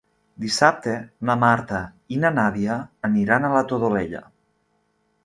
Dissabte na Marta i na Nàdia aniran a la Todolella.